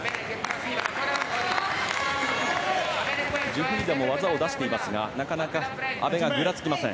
ジュフリダも技を出していますがなかなか阿部がぐらつきません。